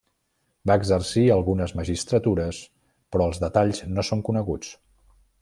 Va exercir algunes magistratures però els detalls no són coneguts.